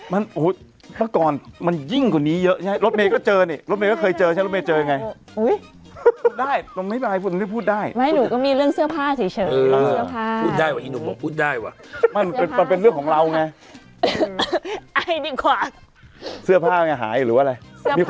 มันโอ้โหป่าก่อนมันยิ่งกว่านี้เยอะใช่ไหมรถเมฆก็เจอเนี่ยรถเมฆก็เคยเจอใช่ไหมรถเมฆเจออย่างไร